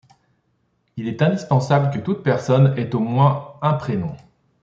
Il est indispensable que toute personne ait au moins un prénom.